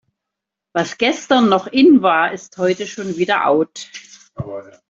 Was gestern noch in war, ist heute schon wieder out.